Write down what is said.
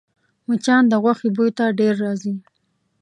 مچان د غوښې بوی ته ډېر راځي